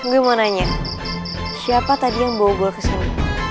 gue mau nanya siapa tadi yang bawa gue kesini